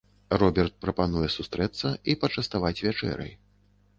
Роберт прапануе сустрэцца і пачаставаць вячэрай.